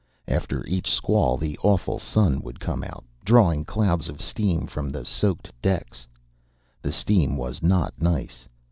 After each squall, the awful sun would come out, drawing clouds of steam from the soaked decks. The steam was not nice.